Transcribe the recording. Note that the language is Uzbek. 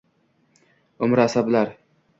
umri abaslar.